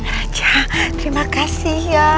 raja terima kasih ya